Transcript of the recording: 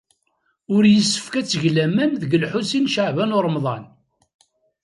Ur yessefk ad teg laman deg Lḥusin n Caɛban u Ṛemḍan.